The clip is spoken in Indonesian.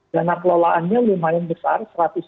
dana kelolaannya lumayan besar